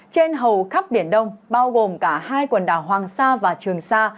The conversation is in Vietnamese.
trên hầu khắp biển đông bao gồm cả hai quần đảo hoàng sa và trường sa